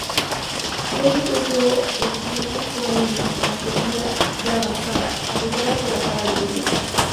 Leslie cruzó el Tyne, con la infantería de avanzada, apoyada por la caballería.